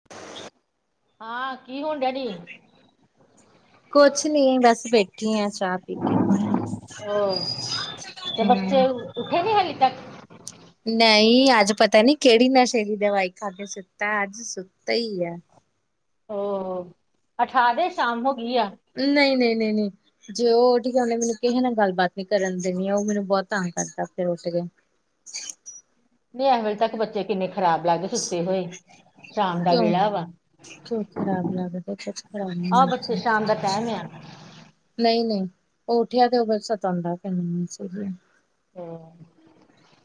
[inaudible] ਹਾਂ, ਕੀ ਹੋਣ ਡਿਆਂ ਜੀ? ਕੁਛ ਨੀ ਬਸ ਬੈਠੀ ਆ ਚਾਅ ਪੀ ਕੇ। ਉਹ ਤੇ ਬੱਚੇ, ਉੱਠੇ ਨੀ ਹੱਲੀ ਤੱਕ। ਨਾਈਂ ਅੱਜ ਪਤਾ ਨੀ ਕੇੜੀ ਨਸ਼ੇ ਦੀ ਦਵਾਈ ਖਾਕੇ ਸੁੱਤਾ ਅੱਜ ਸੁੱਤਾ ਈ ਆ। ਓਹੋ ਉਠਾ ਦੇ ਸ਼ਾਮ ਹੋ ਗੀ ਆ। ਨਈ-ਨਈ ਨੀ-ਨੀ ਜੇ ਓ ਉਠ ਗੇਆ ਓਨੇ ਮੈਨੂੰ ਕਿਹੇ ਨਾਲ ਗੱਲ-ਬਾਤ ਨੀ ਕਰਨ ਦੇਨੀ ਆ ਏ ਮੈਨੂੰ ਬਹੁਤ ਤੰਗ ਕਰਦਾ ਉੱਠ ਕੇ। [inaudible] ਨੀ ਐਹ ਵੇਲੇ ਤੱਕ ਬੱਚੇ ਕਿਨੇ ਖਰਾਬ ਲੱਗਦੇ ਸੁੱਤੇ ਹੋਏ, ਸ਼ਾਮ ਦਾ ਕਿਉਂ ਵੇਲਾ ਵਾ। ਆਹ ਬੱਚੇ ਸ਼ਾਮ ਦਾ ਟਾਈਮ ਆ [unintelligible] ਨਈ-ਨਈ ਓ ਉੱਠੇਆ ਤੇ ਓ ਫੇਰ ਸਤਾਦਾ ਪੈਂਦਾ ਨੀ। ਹੂੰ।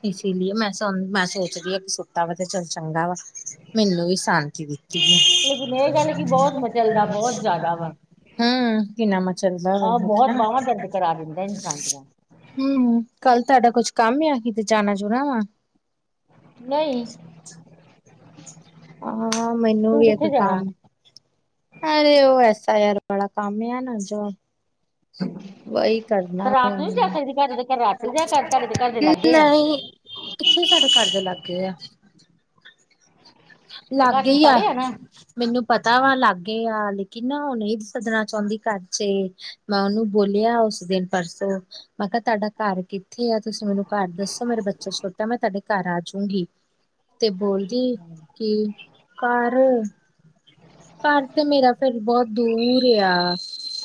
ਇਸ ਲੀਏ ਮੈਂ ਮੈਂ ਸੋਚਦੀ ਆ ਕੇ ਸੁੱਤਾ ਵਾ ਤੇ ਚੱਲ ਚੰਗਾ ਵਾ। ਮੇਨੂੰ ਵੀ ਸਾਂਤੀ ਦਿੱਤੀ ਐ ਤੇ ਲੇਕਿਨ ਇਹ ਗੱਲ ਕਿ ਬਹੁਤ ਮਚਲਦਾ ਬਹੁਤ ਜ਼ਿਆਦਾ ਵਾ [inaudible] ਹੂੰ ਕਿੰਨਾ ਮਾਚਰਦਾ ਆ ਆਹ ਹੈ ਬਹੁਤ ਹਨਾ। ਬਾਹਵਾਂ ਦਰਦ ਕਰਾ ਦਿੰਦਾ ਇਨਸਾਨ ਦੀਆਂ ਹੂੰ-ਹੂੰ, ਕੱਲ ਧਾਡਾ ਕੁਛ ਕੰਮ ਆ ਕਿਤੇ ਜਾਣਾ ਜੁਣਾ ਵਾਂ? ਨਈਂ। ਆ ਮੈਨੂੰ ਵੀ ਇਕ ਕੰਮ ਅਰੇ ਓ ਐਸਾ ਯਰ ਵਾਲਾ ਕੰਮ ਆ ਨਾ ਜੋ ਵਹੀ ਕਰਨਾ ਤੇ ਰਾਤ ਆਪਾਂ ਨੂੰ ਨੀ ਜਾ ਨੇ, ਸਕਦੀ ਘਰ ਦੇ ਘਰ ਰਾਤ ਨੂੰ ਜਾ ਕਰ ਤੁਹਾਡੇ ਦੇ ਘਰ ਦੇ ਕਿ ਲਾਗੇ ਆ ਨਹੀਂ। ਕਿੱਥੇ ਸਾਡੇ ਘਰ ਦੇ ਲਾਗੇ ਆ। ਤੇ ਘਰ ਲਾਗੇ ਅਸੀਂ ਈ ਆ। ਪੜ੍ਹੇ ਨਾ ਮਿਨੂੰ ਪਤਾ ਵਾ, ਲਾਗੇ ਆ। ਲੇਕਿਨ ਨਾ ਹੁਣ, ਇਹ ਨੀ ਸੱਦਣਾ ਚਾਹੁੰਦੀ ਘਰ 'ਚ। ਮੈਂ ਉਹਨੂੰ ਬੋਲਿਆ ਹੈ, ਉਸ ਦਿਨ ਪਰਸੋਂ ਮੈਂ ਕਿਹਾ ਤੁਹਾਡਾ ਘਰ ਕਿੱਥੇ ਆ। ਤੁਸੀਂ ਮੈਨੂੰ ਘਰ ਦੱਸੋ? ਮੇਰਾ ਬੱਚਾ ਛੋਟਾ, ਮੈਂ ਤੁਹਾਡੇ ਘਰ ਆਜੂ ਗੀ। ਤੇ ਬੋਲਦੀ ਕੀ, ਘਾਰ ਘਰ ਤੇ ਮੇਰਾ ਫਿਰ, ਬਹੁਤ ਦੂਰ ਆ।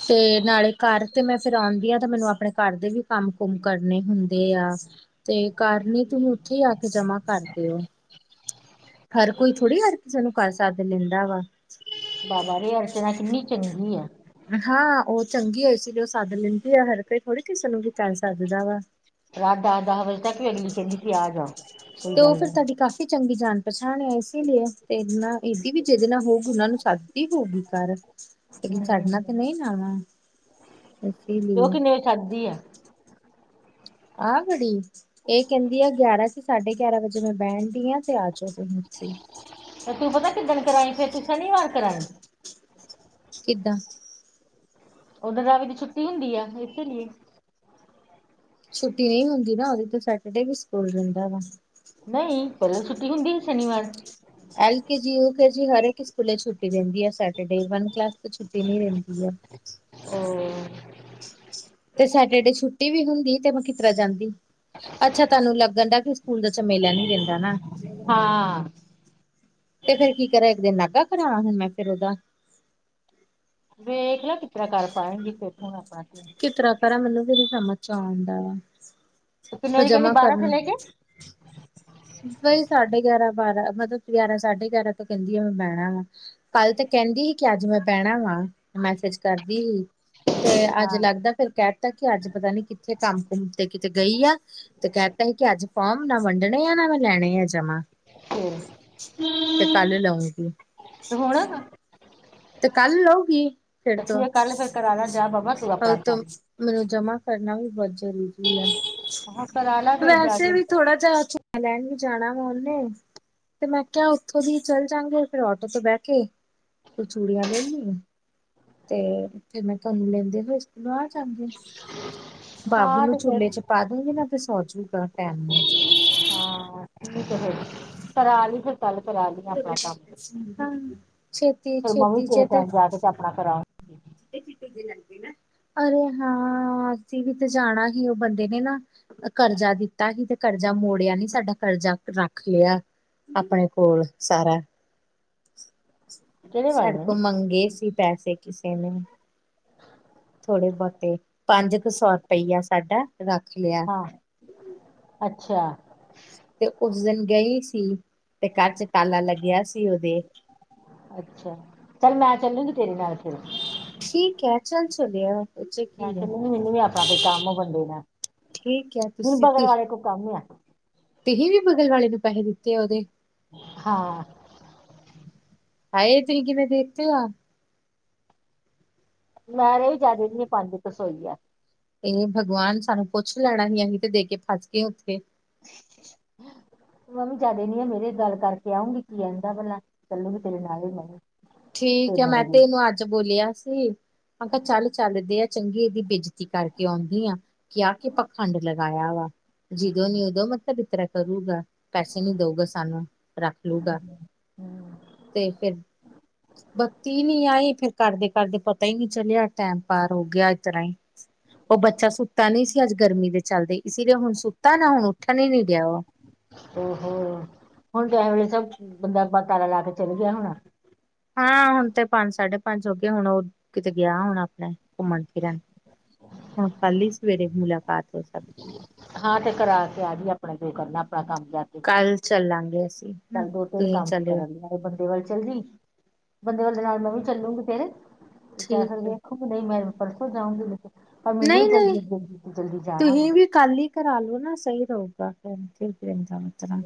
ਤੇ ਨਾਲੇ ਘਾਰ ਤੇ ਮੈਂ ਫਿਰ ਆਂਦੀ ਆ 'ਤੇ। ਮੈਨੂੰ ਆਪਣੇ ਘਰ ਦੇ ਵੀ ਕੰਮ-ਕੁਮ ਕਰਨੇ ਹੁੰਦੇ ਆ। ਤੇ ਕਰਨੇ ਤੁਹੀਂ, ਉੱਥੇ ਈ ਆ ਕੇ ਜਮਾਂ ਕਰਦੇ ਓ। [inaudible] ਹਰ ਕੋਈ ਥੋੜ੍ਹੀ ਹਰ, ਚਲੋ ਘਰ ਸੱਦ ਲੈਂਦਾ ਵਾ। ਬਾਬਾ ਰੇ, ਅਰਚਨਾ ਕਿੰਨੀ ਚੰਗੀ ਆ। ਹਾਂ, ਉਹ ਚੰਗੀ ਏ। ਇਸ ਲਈ ਉਹ ਸੱਦ ਲੈਂਦੀ ਐ। ਹਰ ਕੋਈ ਥੋੜੀ ਕਿਸੇ ਨੂੰ ਵੀ ਘਾਰ ਸੱਦਦਾ ਵਾ। ਰਾਤ ਦੱਹ-ਦੱਹ ਵਜੇ ਤੱਕ ਵੀ ਅਗਲੀ ਕਹਿੰਦੀ ਕਿ ਆ ਜਾਓ, ਕੋਈ ਗੱਲ ਨੀ। ਕੀ ਚੰਗੀ ਜਾਣ ਪਛਾਣ ਆ। ਇਸ ਲਈ ਤੇ ਇਹਨਾ, ਇਹਦੀ ਵੀ ਜਿਦ ਨਾ ਹੋਊਗੀ, ਉਹਨਾ ਨੂੰ ਸੱਦਦੀ ਹੋਊਗੀ ਘਰ। ਲ਼ੇਕਿਨ ਸਾਡੇ ਹਮ ਨਾ ਤੇ ਨਹੀਂ ਨਾ ਆਣਾ। ਤੇ ਉਹ ਕਿੰਨੇ ਵਜੇ ਛੱਡਦੀ ਆ? ਆਹ ਬੜੀ। ਇਹ ਕਹਿੰਦੀ ਆ, ਗਿਆਰਾਂ ਤੋਂ ਸਾਢੇ ਗਿਆਰਾਂ ਵਜੇ ਮੈਂ ਬਹਿੰਦੀ ਆਂ‌। ਫੇਰ ਆਜ [inaudible] ਤੇ, ਤੂੰ ਪਤਾ ਕਿੱਦਣ ਕਰਾਈ, ਫੇਰ ਤੂੰ ਸ਼ਨੀਵਾਰ ਕਰਾਈ। ਕਿੱਦਾਂ? ਓਦਣ ਰਾਵੀ ਦੀ ਛੁੱਟੀ ਹੁੰਦੀ ਐ। ਇਸੀ ਲੀਏ ਛੁੱਟੀ ਨਹੀਂ ਹੁੰਦੀ ਨਾ। ਉਹਦੇ ਤੇ ਸੈਟਰਡੇ ਵੀ ਸਕੂਲ ਜਾਂਦਾ ਵਾ। ਨਹੀਂ, ਪਹਿਲੇ ਛੁੱਟੀ ਹੁੰਦੀ ਹੀ ਸ਼ਨੀਵਾਰ। L K G, U K G, ਹਰ ਇੱਕ ਸਕੂਲੇ ਛੁੱਟੀ ਰਹਿੰਦੀ ਆ, ਸੈਟਰਡੇ। ਵਨ ਕਲਾਸ ਕੋਈ ਛੁੱਟੀ ਨੀ ਰਹਿੰਦੀ ਐ। ਓ। ਤੇ ਸੈਟਰਡੇ ਛੁੱਟੀ ਵੀ ਹੁੰਦੀ ਤੇ ਮੈਂ ਕਿਤਰਾਂ ਜਾਂਦੀ। ਅੱਛਾ, ਤੁਹਾਨੂੰ ਲੱਗਣ ਦਾ ਕਿ ਸਕੂਲ ਦਾ ਝਮੇਲਾ ਨੀ ਰਹਿੰਦਾ ਨਾ। ਹਾਂ। ਤੇ ਫੇਰ ਕੀ ਕਰੇ, ਇੱਕ ਦਿਨ ਨਾਗਾ ਕਰਾਲਾ ਹੁਣ ਮੈਂ ਫਿਰ ਉਹਦਾ। ਵੇਖਲਾ ਕਿਤਰ੍ਹਾਂ ਕਰ ਪਾਏਗੀ, ਫਿਰ ਹੁਣ ਆਪਣਾ ਮਿਨੂੰ ਕਿਹਦੀ ਸਮਝ ਚਾ ਆਉਂਦਾ ਆ। ਤੇ ਕਿੰਨੇ ਵਜੇ ਕਹਿੰਦੀ, ਬਾਰਾਂ ਤੋਂ ਲੈਕੇ ਬਈ ਸਾਢੇ ਗਿਆਰਾਂ-ਬਾਰਾਂ। ਮਤਲਬ ਗਿਆਰਾਂ, ਸਾਢੇ ਗਿਆਰਾਂ ਤੋਂ ਕਹਿੰਦੀ ਆ, ਮੈਂ ਬਹਿਣਾ ਵਾ। ਕੱਲ੍ਹ ਤੇ ਕਹਿੰਦੀ ਹੀ, ਕਿ ਅੱਜ ਮੈਂ ਬਹਿਣਾ ਵਾ। ਮੈਸੇਜ ਕਰਦੀ ਹੀ। ਤੇ ਅੱਜ ਹਾਂ ਲੱਗਦਾ ਫਿਰ ਕਹਿ ਤਾ ਕਿ, ਅੱਜ ਪਤਾ ਨੀ ਕਿੱਥੇ ਕੰਮ-ਕੁਮ ਤੇ ਕਿਤੇ ਗਈ ਆ। ਤੇ ਕਹਿਤਾ ਹੀ ਕਿ ਅੱਜ ਫੋਮ ਨਾ ਵੰਡਣੇ ਆ, ਨਾ ਮੈਂ ਲੈਂਣੇ ਆ ਜਮਾਂ। ਫਿਰ ਤੇ ਕੱਲ੍ਹ ਲਉਗੀ। ਤੇ ਹੋਣਾ ਗਾ। ਤੇ ਕੱਲ੍ਹ ਲ‌ਊਗੀ ਇਹ ਫਿੜ ਤੋਂ। ਠੀਕ ਕੱਲ ਫਿਰ ਕਰਾ ਲਾ ਜਾ ਬਾਬਾ ਤੂੰ ਅ ਆਪਣਾ ਉਤੋ ਕੰਮ ਮੈਨੂੰ ਜਮਾ ਕਰਨਾ ਵੀ ਬੋਤ ਜਰੂਰੀ ਆ ਹਾਂ ਕਰਾ ਲਾ ਫਿਰ ਜਾ ਵੈਸੇ ਕੇ ਵੀ ਥੋੜਾ ਜਾ ਲੈਣ ਵੀ ਜਾਣਾ ਵਾ ਓਨੂ ਤੇ ਮੈਂ ਕਿਆ ਉੱਥੋਂ ਦੀ ਚੱਲ ਜਾਂਗੇ ਫਿਰ ਆਟੋ ਤੋਂ ਬੈ ਕੇ ਤੂ ਚੂੜੀਆਂ ਲੇ ਆਈਏ। ਤੇ ਫਿਰ ਮੈਂ [unintelligible] ਆ ਜਾਂਦੇ। ਬਾਬੂ ਹਾਂ ਨੂੰ ਤੇ ਚੂਲੇ ਫਿਰ ਪਾ ਦੋ ਗਿਨਾ ਤੇ ਫਿਰ ਸੌਂ ਜੋ ਗਾ ਟੈਮ ਨੂੰ। ਠੀਕ ਐ ਫੇਰ ਕਰਾ ਲੀ ਫੇਰ ਕੱਲ ਕਰਾ ਲੀ ਆਪਣਾ ਕੰਮ। ਹਾਂ ਛੇਤੀ-ਛੇਤੀ ਚਲ ਪੈ। ਕਰਾ ਅਰੇ ਹਾਂ ਅਸੀਂ ਵੀ ਤੇ ਜਾਣਾ ਹੀ ਉਹ ਬੰਦੇ ਨੇ ਨਾ ਕਰਜ਼ਾ ਦਿੱਤਾ ਹੀ ਤੇ ਕਰਜ਼ਾ ਮੋੜਿਆ ਨੀ ਸਾਡਾ ਕਰਜ਼ਾ ਰੱਖ ਲਿਆ ਆਪਣੇ ਕੋਲ ਸਾਰਾ। [inaudible] ਕਿਹੜੇ ਵੱਲ ਸਾਡੇ ਨੇ ਤੋਂ ਨੀ ਮੰਗੇ ਸੀ ਪੈਸੇ ਕਿਸੇ ਨੇ। ਥੋੜੇ ਬੋਤੇ ਪੰਜ ਕੁ ਸੌ ਰੁਪਈਆ ਸਾਡਾ ਰੱਖ ਲਿਆ। ਹਾਂ ਅੱਛਾ। ਤੇ ਉਸ ਦਿਨ ਗਈ ਸੀ ਤੇ ਘਰ ਚ ਤਾਲਾ ਲੱਗਿਆ ਸੀ ਓਦੇ। ਅੱਛਾ ਚੱਲ ਮੈਂ ਚੱਲੂਗੀ ਤੇਰੇ ਨਾਲ ਫੇਰ। ਠੀਕ ਹੈ ਚੱਲ ਚਲਿਆ। ਚ ਮੈਂ ਕੀ ਹੈ ਕਿਹਾ ਮੈਨੂੰ ਵੀ ਆਪਣਾ ਕੋ ਕੰਮ ਬੰਦੇ ਦਾ, ਠੀਕ ਹੈ ਮੈਨੂੰ ਬਗਲ ਵਾਲੇ ਕੋ ਕੰਮ ਆ। ਤੁਹੀ ਵੀ ਬਗਲ ਵਾਲੇ ਦੇ ਪੈਹੇ ਦਿੱਤੇ ਉਦੇ। ਹਾਂ। ਹਾਏ ਤੁਸੀ ਕਿਵੇਂ ਦੇ ਤੇ ਆ। ਨਾ ਰਈ ਜਾਦਾ ਨੀ ਏ ਪੰਜ ਕੂ ਸੋ ਈ ਆ। ਏਹ ਭਗਵਾਨ ਸਾਨੂੰ ਪੁੱਛ ਲੈਣਾ ਹੀ ਅਹੀ ਤੇ ਦੇ ਕੇ ਫਸ ਗੇ ਉੱਥੇ। ਮ ਵੀ ਜਾਦਾ ਨੀ ਆ ਮੇਰੇ ਗੱਲ ਕਰਕੇ ਆਉਂਗੀ ਕੀ ਕੇਂਦਾ ਭਲਾ। ਚੱਲੂਗੀ ਤੇਰੇ ਨਾਲ ਹੀ ਮੈਂ ਵੀ ਠੀਕ ਤੇਰੇ ਐ ਮੈਂ ਨਾਲ ਹੀ ਤੇ ਇਨੂੰ ਅੱਜ ਬੋਲਿਆ ਸੀ। ਅਗਾ ਚੱਲ-ਚੱਲ ਦੇ ਆ ਚੰਗੀ ਏਦੀ ਬੇਜਤੀ ਕਰਕੇ ਐੰਦੀ ਆ ਕਿ ਆ ਕੀ ਪਾਖੰਡ ਲਗਾਇਆ ਹੋਯਾ। ਜਦੋਂ ਨੀ ਉਦੋਂ ਮਤਲਬ ਇਤਰਾ ਕਰੂਗਾ ਪੈਸੇ ਨੀ ਦਊਗਾ ਸਾਨੂੰ ਰੱਖ ਲੂਗਾ। ਹਮ, ਤੇ ਫੇਰ ਬੱਤੀ ਨੀ ਆਈ ਫੇਰ ਕਰਦੇ-ਕਰਦੇ ਪਤਾ ਈ ਨੀ ਚਲਿਆ ਟੈਮ ਪਾਰ ਹੋ ਗਿਆ ਇਤਰਾ ਈ। ਤੇ ਬੱਚਾ ਸੁੱਤਾ ਨੀ ਸੀ ਅੱਜ ਗਰਮੀ ਦੇ ਚੱਲਦੇ ਇਸੀ ਲੀ ਹੁਣ ਸੁੱਤਾ ਨਾ ਉੱਠਣ ਹੀ ਨੀ ਡਿਆ ਵਾ। ਔਹੋ ਹੁਣ ਤਾਂ ਵੇਲੇ ਸਭ ਬੰਦਾ ਆਪਾਂ ਤਾਰਾ ਲਾ ਕੇ ਚੱਲ ਗਿਆ ਹੋਣਾ। ਹਾਂ ਹੁਣ ਤੇ ਪੰਜ ਸਾਢੇ ਪੰਜ ਹੋ ਗਏ ਹੁਣ ਉਹ ਕਿਤੇ ਗਿਆ ਹੋਣਾ ਆਪਣੇ ਘੁੰਮਣ ਫਿਰਨ ਹੁਣ ਕੱਲ ਈ ਸਵੇਰੇ ਮੁਲਾਕਾਤ ਹੋ ਸਕਦੀ ਏ। ਹਾਂ ਤੇ ਕਰਾ ਕੇ ਆ ਜੀ ਆਪਣਾ ਜੋ ਕਰਨਾ ਆਪਣਾ ਕੰਮ ਜਾ ਕੇ। ਕੱਲ ਚੱਲਾਂਗੇ ਅਸੀਂ। ਨਾ ਚੱਲ ਦੋ ਤਿੰਨ ਤੁਸੀਂ ਕੰਮ ਚਲਿਓ ਕਰਨ ਲਈ ਨਾਲੇ ਬੰਦੇ ਵੱਲ ਚੱਲ ਜੀ। ਬੰਦੇ [unintelligible] ਨਾਲ ਮੈਂ ਵੀ ਚੱਲੂਗੀ ਫੇਰ। ਜਾ ਫਿਰ ਠੀਕ ਹੈ ਵੇਖੋਗੀ ਨਈ ਪਰਸੋਂ ਜਾਊਂਗੀ ਨੀ ਤੇ ਪਰ ਵੀ [unintelligible] ਜਾਣਾ ਵਾ ਤੁਹੀ ਵੀ ਕੱਲ ਈ ਕਰਾਲੋ ਨਾ ਸਈ ਰਓਗਾ ਫੇਰ [unintelligible] ਤਰਾ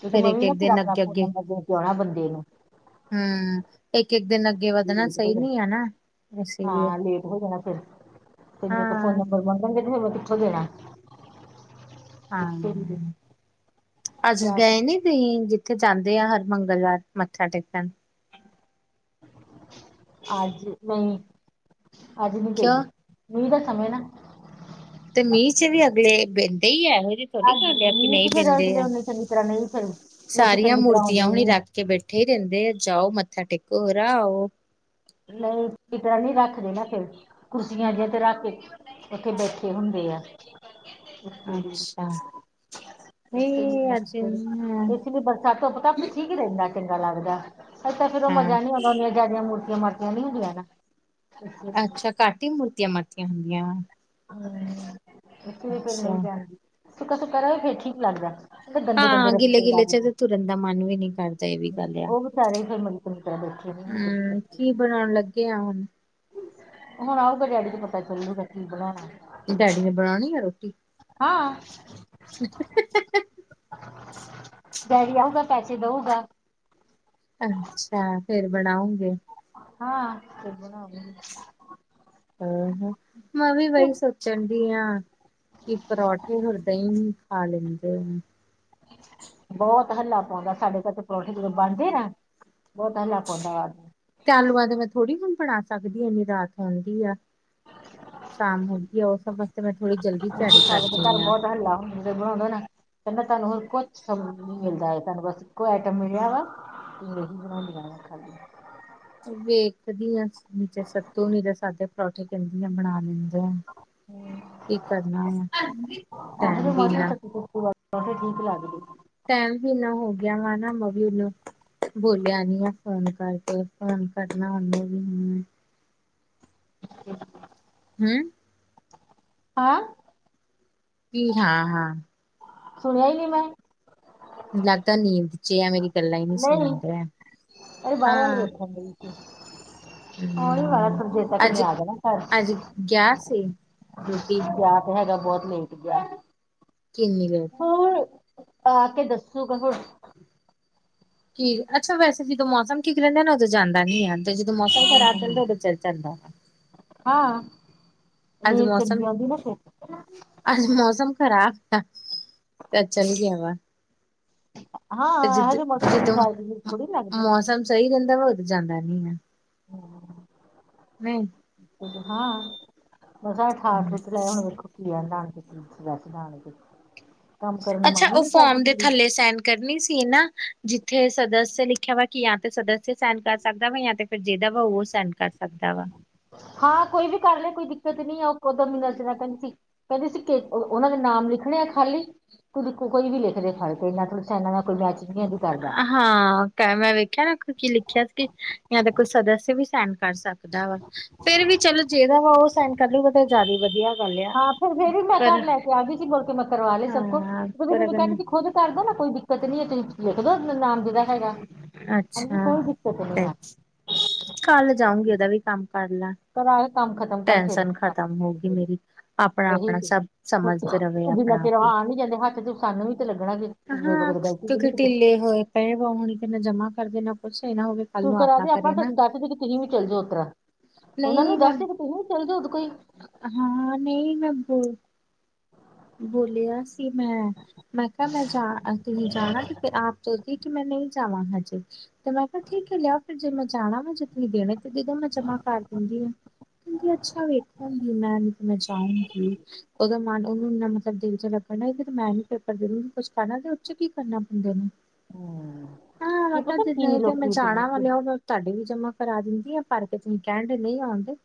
ਕਿਉਂਕਿ ਫੇਰ ਮੈਂ ਵੀ ਨਾ ਇੱਕ-ਇੱਕ ਫਿਰ ਦਿਨ ਆਪਣਾ ਫੋਨ ਅੱਗੇ-ਅੱਗੇ ਨੰਬਰ ਦੇ ਕੇ ਆਉਣਾ ਬੰਦੇ ਨੂੰ ਹੂੰ। ਇੱਕ-ਇੱਕ ਦਿਨ ਅੱਗੇ ਵੱਧਣਾ ਲੇਟ ਸਈ ਹੋ ਜਾਣਾ ਨੀ ਏ ਨਾ ਇਸੇ ਈ ਏ। ਹਾਂ ਲੇਟ ਹੋ ਜਾਣਾ ਫਿਰ ਤੇ ਮੇਰੇ ਕੋਲ ਫੋਨ ਨੰਬਰ ਮੰਗਨਗੇ ਤੇ ਫੇਰ ਮੈਂ ਕਿੱਥੋਂ ਦੇਣਾ? ਹਾਂ ਅੱਜ ਜਾ ਕੇ ਗਏ ਨਹੀਂ ਜਿੱਥੇ ਜਾਂਦੇ ਆ ਹਰ ਮੰਗਲਵਾਰ ਮੱਥਾ ਟੇਕਨ। ਅੱਜ ਨਈ। ਅੱਜ ਨੀ ਗਈ ਕਿਉਂ ਮੀਂਹ ਦਾ ਸਮੇਂ ਨਾ। ਤੇ ਮੀਂਹ ਚ ਵੀ ਅਗਲੇ ਬੈਂਦੇ ਈ ਆ ਇਹੋ ਜੇ ਔਹਨੀ ਕੈਂਦੇ ਅਸੀ ਹਾਂਜੀ ਨਹੀਂ ਤੇ ਫਿਰ ਦਿੰਦੇ ਅਗਲੇ ਆ ਉਹਨੇ ਚੰਗੀ ਤਰ੍ਹਾਂ ਨਹੀਂ ਫਿਰ ਲੋਕੀ ਸਾਰੀਆਂ ਚੰਗੀ ਤਰ੍ਹਾਂ ਮੂਰਤੀਆਂ ਆਉਂਦੇ ਹੁਨੇਈ ਨੀ ਆ ਰੱਖ। ਕੇ ਬੈਠੇ ਰੈਂਦੇ ਆ ਜਾਔ ਮੱਥਾ ਟੇਕੋ ਔਰ ਆਔ। ਨਹੀਂ ਜਾਲੀ ਰੱਖਦੇ ਨਾ ਫੇਰ ਕੁਰਸੀਆਂ ਅਜੇ ਤੇ ਰਖ। ਉੱਥੇ ਬੈਠੇ ਹੁੰਦੇਆ। ਅੱਛਾ। ਇਸ ਨਹੀਂ ਅੱਜ ਵੀ ਬਰਸਾਤ ਤੋਂ ਪਤਾ ਆਪ ਠੀਕ ਈ ਰੈਂਦਾ। ਫੇਰ ਚੰਗਾ ਲੱਗਦਾ। ਹਜੇ ਤਾਂ ਫੇਰ ਔਹ ਹਾਂ ਮਜ਼ਾ ਨੀ ਆਂਦਾ ਹੋਂਦਾ ਜੈਦੀਆਂ ਮੂਰਤੀਆਂ ਮਾਰਤੀਆਂ ਨੀ ਹੁੰਦੀਆਂ ਨਾ। ਇਸ ਲਈ ਅੱਛਾ, ਘੱਟ ਈ ਮੂਰਤੀਆਂ ਮਾਰਤੀਆਂ ਹੁੰਦੀਆਂ। ਅੱਛਾ [unintelligible] ਸੁੱਕਾ-ਸੁੱਕਾ ਰਵੇ ਫੇਰ ਠੀਕ ਲੱਗਦਾ। ਗੰਦੇ-ਗੰਦੇ ਹਾਂ ਗਿੱਲੇ ਰਸਤੇ ਗਿੱਲੇ ਚ ਤੇ ਲੱਗਦੇ ਤੁਰਨ ਦਾ ਮਨ ਵੀ ਨੀ ਕਰਦਾ ਇਹ ਵੀ ਔਹ ਵੀ ਸਾਰੇ ਈ ਫਿਰ ਮੰਤਰ ਤਰਫ ਏ। ਹੂੰ ਕੀ ਬਨਾਨ ਲੱਗੇ ਆ ਹੁਨ। ਹੁਨ ਆਊਗਾ ਡੈਡੀ ਤੇ ਪਤਾ ਚੱਲੂਗਾ ਕੀ ਬਨੋਨਾ। ਡੈਡੀ ਨੇ ਬਨੋਨੀ ਐ ਰੋਟੀ। ਹਾਂ। ਡੈਡੀ ਆਉਗਾ ਪੈਸੇ ਦਉਗਾ। ਅੱਛਾ ਫੇਰ ਬਨਾਔਗੇ। ਹਾਂ ਫੇਰ ਬਨਾਔਗੇ। ਆਹ ਹੈ ਮੈਂ ਵੀ ਵਹੀ ਸੋਚਨ ਡਈ ਆਂ। ਕਿ ਪਰੌਠੇ ਹੋਰ ਦਹੀਂ ਖਾ ਲੈਂਦੇ ਆ। ਬੋਤ ਹੱਲਾ ਪੌਂਦਾ ਸਾਡੇ ਘਰੇ ਤੇ ਪਰੌਂਠੇ ਜਦੋਂ ਬਨਦੇ ਨਾ ਬੋੱਤ ਹੱਲਾ ਪਾਉਂਦਾ ਵਾ। ਤੇ ਆਲੂਆਂ ਤੇ ਮੈਂ ਥੋੜ੍ਹੀ ਹੁਨਬਨਾ ਸਕਦੀ ਏ ਇੰਨੀ ਰਾਤ ਆਉਂਦੀ ਐ। ਸ਼ਾਮ ਹੋ ਗੀ ਔ ਸਬ ਵਸਤੇ ਪੈ ਮੈ ਥੋੜੀ ਜਿਹੀ ਸਾਡੇ ਤੇਘਰ ਬੋਤ ਹੱਲਾ ਹੁੰਦਾ ਬੁਲਾਂਦੇ ਨਾ। ਕੈਂਦਾ ਤੁੱਨੂੰ ਹੋਰ ਕੁੱਛ ਨੀ ਮਿਲਦਾ ਏ ਤੁੱਨੂੰ ਬਸ ਇੱਕੋ ਆਈਟਮ ਮਿਲਿਆ ਵਾਂ। [unintelligible] ਵੇਖਦੀ ਹ ਨੀਚੇ ਸੱਤੂ ਨੀ ਤੇ ਸਾਦੇ ਪਰੌਠੇ ਕੈਂਦੀ ਆ ਬਨਾ ਲਈ। ਕੀ ਕਰਨਾ ਵਾ ਟੈਮ ਵੀ ਨਾ। ਟੋਲੱਟ ਵਿੱਚ ਲਗ ਗਈ। ਟੈਮ ਵੀ ਇਨਾ ਹੋ ਗਿਆ ਮਾਨਾ ਮਮੀ ਨੂੰ। ਬੋਲਿਆ ਨੀ ਆ ਫੋਨ ਕਰਕੇ ਫੋਨ ਕਰਨਾ ਹੁੰਦਾ ਵੀ। [inaudible] ਹੈਂ। ਹਾਂ। ਕੀ ਹਾਂ, ਹਾਂ। ਸੁਨਿਆ ਈ ਨੀ ਮੈਂ। ਲੱਗਦਾ ਨੀਂਦ ਚ ਏ ਮੇਰੀ ਗੱਲਾਂ ਹੀ ਨੀ ਨਹੀਂ ਸੁਨਨ ਡਿਆ ਅਰੇ ਬਾਹਰ ਵੱਲ ਹਾਂ। [inaudible] ਆਉਣ ਹੀ ਵਾਲਾ ਥੋੜੀ ਦੇਰ ਤੱਕ ਹੂੰਅੱਜ, ਉਹਨੇ ਆ ਜਾਣਾ ਘਰ ਅੱਜ ਗਿਆ ਸੀ ਡੁੱਟੀ। ਗਿਆ ਹੈਗਾ ਬੋੱਤ ਲੇਟ ਗਿਆ। ਕਿੰਨੀ ਵਾਰ। ਉਹ, ਆ ਕੇ ਦੱਸੂਗਾ ਹੁਣ ਕੀ ਅੱਛਾ ਵੈਸੇ ਜਦੋਂ ਮੌਸਮ ਠੀਕ ਰਹਿੰਦਾ ਨਾ ਉਦੋਂ ਜਾਂਦਾ ਨੀ ਆ। ਜਦੋਂ ਮੌਸਮ ਖਰਾਬ ਹੁੰਦਾ ਓਦੋਂ ਚਲ ਜਾਂਦਾ। ਹਾਂ, ਅੱਜ ਨੀਂਦ ਮੌਸਮ ਚੰਗੀ ਆਉਂਦੀ ਨਾ ਫਿਰ ਅੱਜ ਮੌਸਮ ਖਰਾਬ ਆ, ਤੇ ਚੱਲ ਗਿਆ ਵਾ ਤੇ ਹਾਂ ਜਿੱਦ ਹਜੇ ਮੌਸਮ ਜਦੋਂ ਖਰਾਬ ਮੌ ਥੋੜੀ [unintelligible] ਲੱਗਦੀ ਮੌਸਮ ਸਹੀ ਰਹਿੰਦਾ ਵਾ ਉਦੋਂ ਜਾਂਦਾ ਨੀ ਆ। ਨਹੀਂ। ਹਾਂ, ਮਸਾਂ ਠਾ-ਠੂ ਲੈ ਏ ਹੁਣ ਵੇਖੋ। [inaudible] ਕਰਨ ਨੂੰ ਅੱਛਾ, ਮਨ ਹੀ ਉਹ ਨਹੀਂ ਕਰਦਾ ਫੋਮ ਦੇ ਬੰਦੇ ਥੱਲੇ ਸੈਨ ਕਰਨੀ ਸੀ ਨਾ, ਜਿੱਥੇ ਸਦੱਸਯ ਲਿਖਿਆ ਵਾ ਕਿ ਜਾਂ ਤੇ ਸਦੱਸਯ ਸੈਨ ਕਰ ਸਕਦਾ ਵਾ ਜਾਂ ਤੇ ਫਿਰ ਜੇਦਾ ਵਾ ਉਹ ਸੈਨ ਕਰ ਸਕਦਾ ਵਾ। ਹਾਂ ਕੋਈ ਵੀ ਕਰ ਲਿਆ ਕੋਈ ਦਿੱਕਤ ਨੀ ਆ ਓਕੋ ਦੋਨੋਂ ਨਜਰਾ ਕਨ ਸੀ। ਕਹਿੰਦੀ ਸੀ ਕੇ ਉਹਨਾ ਦੇ ਨਾਮ ਲਿਖਣੇ ਆ ਖਾਲੀ, ਤੇ ਦੇਖੋ ਕੋਈ ਵੀ ਲਿਖਦੇ ਫੜ ਕੇ ਐਨਾ ਸੈਨ ਨਾਲ ਕੋਈ ਮੈਚਿੰਗ ਨੀ ਕੋਈ ਕਰਦਾ। ਹਾਂ ਕੈਮਰਾ ਵੇਖਿਆ ਨਾ ਅੱਗੋਂ ਕਿ ਲਿਖਿਆ ਸੀ ਜਾਂ ਤਾਂ ਕੋਈ ਸਦੱਸਯ ਵੀ ਸੈਨ ਕਰ ਸਕਦਾ। ਵਾ, ਫੇਰ ਵੀ ਚਲ ਜਿਹੜਾ ਵਾ ਉਹ ਸਾਈਨ ਕਰ ਲੂ ਬਟ ਉਹ ਜਾਦੇ ਵਧੀਆ ਵਾ। ਹਾਂ ਫਿਰ-ਫਿਰ ਵੀ ਮੈਂ ਘਰ ਲੈ ਕੇ ਆ ਗਈ ਸੀ ਬੋਲ ਕੇ ਮੈਂ ਕਰਵਾ ਸਭ ਕੁ ਹਾਂ ਫਿਰ ਪਰ ਮੈਨੂੰ ਉਹ ਅਗਰ ਕਹਿੰਦੀ ਸੀ ਖੁਦ ਕਰਦੋ ਨਾ ਕੋਈ ਦਿੱਕਤ ਨੀ ਐ ਤੁਸੀਂ ਲਿਖ ਦੋ ਨਾਮ ਜੇੜਾ ਹੈਗਾ। ਹਾਜੀ ਅੱਛਾ। ਕੋਈ ਦਿੱਕਤ ਨੀ ਐ। ਕੱਲ ਜਾਊਗੀ ਉਹਦਾ ਵੀ ਕੰਮ ਕਰਲਾਂ। ਕਰਾ ਲੇ ਕੰਮ ਖਤਮ ਕਰ ਫਿਰ ਹੋਊਗੀ [unintelligible] ਮੇਰੀ। ਆਪਣਾ ਆਪਣਾ ਸਭ ਸਮਝਦੇ ਰਵੇ ਜਿੰਨਾ ਆਪਣਾ ਆਪ। ਚਿਰ ਉਹ ਆ ਨੀ ਜਾਂਦੇ ਹੱਥ ਚ ਸਾਨੂੰ ਵੀ ਤਾਂ ਲੱਗਣਾ, ਜੇ ਮੇਰੇ ਕੋਲੋਂ ਗਲਤੀ ਤੇ ਨੀ ਕਿਤੇ ਪੈਸ ਵੋ ਹੋਣੀ ਕਿ ਨਾ ਜਮਾ ਕਰਦੇ ਨਾ ਕੁੱਛ ਇਹ ਨਾ ਹੋਵੇ ਕੱਲ ਤੂੰ ਨੂੰ ਕਰਾ ਦੇ ਆਪਣਾ ਕਰੇ ਨਾ ਦੱਸ ਦੇ ਕੇ ਤੁਸੀਂ ਵੀ ਚੱਲ ਜੋ ਓਤਰਾਂ ਉਹਨਾ ਨੂੰ ਦੱਸਦੇ ਕਿ ਤੁਸੀਂ ਵੀ ਚਲੇ ਜੋ ਓਦੇ ਕੋਲ ਈ। ਹਾਂ-ਹਾਂ ਨਈ [unintelligible] ਬੋਲਿਆ ਸੀ ਮੈਂ ਮੈਂ ਕਿਹਾ ਮੈਂ ਜਾ ਅਸੀਂ ਵੀ ਜਾਣਾ ਕੀਤੇ ਆਪ ਸੋਚਦੀ ਕੀ ਮੈਂ ਨੀ ਜਾਵਾਂ ਹਜੇ, ਤੇ ਮੈਂ ਕਿਹਾ ਠੀਕ ਐ ਫਿਰ ਜੇ ਮੈਂ ਜਾਣਾ ਵਾ ਜੇ ਤੂੰਹੀ ਦੇਣੇ ਤੇ ਦੇਦੋ ਮੈਂ ਜਮਾ ਕਰ ਦੂ ਗੀ। ਕਹਿੰਦੀ ਅੱਛਾ ਵੇਖੂਗੀ ਮੈਂ ਨੀ ਮੈਂ ਜਾਊਂਗੀ ਉਹਦਾ ਮਨ [unintelligible] ਚ ਲੱਗਣਾ ਏਦੇ ਤਾਂ ਮੈਂ ਨੀ ਪੇਪਰ ਦੇਂ ਰੀ ਕੁਛ ਕਰਨਾ ਇਹ ਚ ਕੀ ਕਰਨਾ ਪੈਂਦਾ ਏ, ਹਮ, ਹਾਂ ਮੈਂ ਕੀ ਪਤਾ ਕਿਹਾ ਕੀ ਨਹਈ ਤੇ ਮੈਂ ਲੋਕੀ ਜਾਣਾ ਵਾ ਚਲਾਉਂਦੇ ਤੁਹਾਡੀ ਵੀ ਜਮ੍ਹਾਂ ਕਰਾ ਦਿੰਦੀ ਆ ਭਰ ਕੇ ਤੁਸੀਂ ਕਹਿਣ ਡੇ ਨਈ ਆਉਣ ਡੇ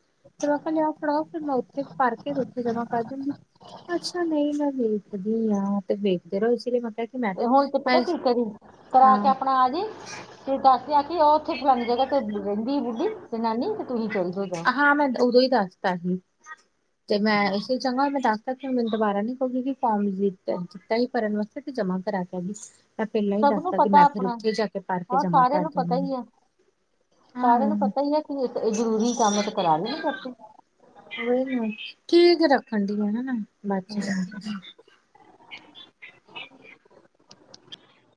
ਚਲੋ ਖਾਂ ਲਿਆਓ ਫੜਾਓ ਫਿਰ ਮੈਂ ਉੱਥੇ ਭਰ ਕੇ ਤੇ ਉੱਥੇ ਜਮ੍ਹਾ ਕਰ ਦੂੰਗੀ। [inaudible] ਅੱਛਾ ਨਈ ਮੈਂ ਵੇਖਦੀ ਹਾਂ ਤੇ ਵੇਖਦੇ ਰਹੋ ਇਸ ਲਈ ਮੈਂ ਕਿਹਾ। ਕਿ ਮੈਂ ਤੇ ਹੁਣ ਤੇ ਮੈਂ ਪਤਾ ਕੀ ਕਰੀਂ ਕਰਾ ਕੇ ਹਾਂ ਆਪਣਾ ਆ ਜੀਂ। ਤੇ ਦੱਸਿਆ ਕਿ ਉਹ ਉੱਥੇ ਫਲਾਣੀ ਜਗ੍ਹਾ ਤੇ ਰਹਿੰਦੀ ਬੁੱਢੀ ਤੇ ਨਾਨੀ ਤੇ ਤੁਸੀ ਚੱਲ ਜੋ ਜਾਓ। ਹਾਂ ਮੈਂ ਉਦੋਂ ਈ ਦੱਸਤਾ ਸੀ ਤੇ ਮੈਂ ਇਸੇ ਚੰਗਾ ਮੈਂ ਦੱਸ ਮੈਨੂੰ ਦੁਬਾਰਾ ਨੀ ਕਹੂਗੀ ਕਿ ਫੋਮ ਨੀ ਦਿੱਤਾ ਭਰਨ ਵਾਸਤੇ ਤੇ ਜਮਾ ਕਰਾ ਕੇ ਆਉਗੀ। ਤਾਂ ਪਹਿਲਾਂ ਈ ਸਭ ਨੂੰ ਦੱਸਦਾ ਕਿ ਪਤਾ ਮੈਂ ਫਿਰ ਆਪਣਾ ਉੱਥੇ ਜਾ ਕੇ ਪੜ ਕੇ ਆਹ ਜਮਾਂ ਸਾਰਿਆਂ ਕਰ ਨੂੰ ਪਤਾ ਦੇਣਾ ਏ। ਹੀ ਆ ਸਾਰਿਆਂ ਨੂੰ ਪਤਾ ਈ ਐ ਕਿ ਇਹ ਜ਼ਰੂਰੀ ਕੰਮ ਤੇ ਕਰਾ ਲੈਣੇ ਬਸ ਉਹੀ ਨੀ ਕੇਕ ਰੱਖਣ ਡਈ ਆ ਨਾ ਮੈਂ ਬਚ ਗਿਆ। [inaudible]